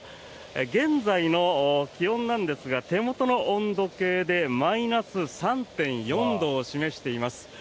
現在の気温ですが手元の温度計でマイナス３．４度を示しています。